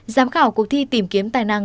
giám khảo cuộc thi tìm kiếm tài năng